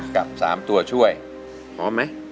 กับ๓ตัวช่วยพร้อมไหม